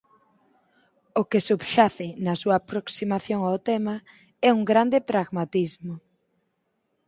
O que subxace na súa aproximación ó tema é un grande pragmatismo.